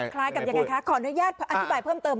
คล้ายกับยังไงคะขออนุญาตอธิบายเพิ่มเติม